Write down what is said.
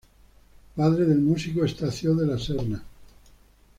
Padre del músico Estacio de la Serna.